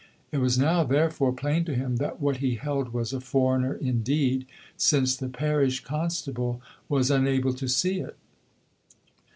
It was now, therefore, plain to him that what he held was a foreigner indeed, since the parish constable was unable to see it.